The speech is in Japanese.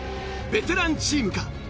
ベテランチームか？